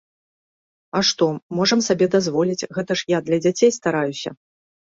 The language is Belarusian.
А што, можам сабе дазволіць, гэта ж я для дзяцей стараюся!